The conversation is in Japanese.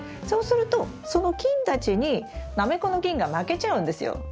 そうするとその菌たちにナメコの菌が負けちゃうんですよ。